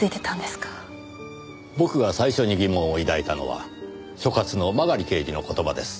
僕が最初に疑問を抱いたのは所轄の曲刑事の言葉です。